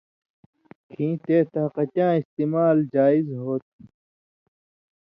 کھیں تے طاقتیاں استعمال جائز ہو تُھو۔